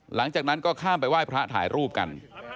หลังจากนั้นก็ข้ามไปไหว้พระถ่ายรูปกัน